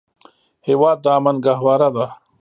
هېواد د امن ګهواره ده.